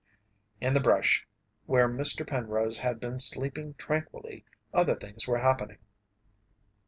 In the brush where Mr. Penrose had been sleeping tranquilly other things were happening.